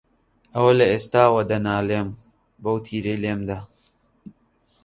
ئەوە لە ئێستاوە دەنالێم، بەو تیرەی لێم دا